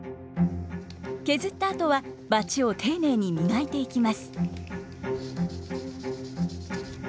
削ったあとはバチを丁寧に磨いていきます。